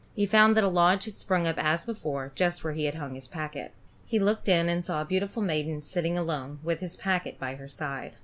He found that a lodge had sprung up as before, just where he had hung his packet. He looked in and saw a beautiful maiden sitting alone, with his packet by her side.